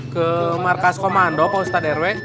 ke markas komando pak ustadz rw